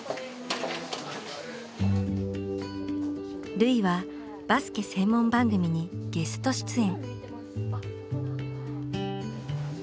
瑠唯はバスケ専門番組にゲスト出演。